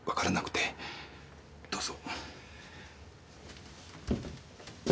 どうぞ。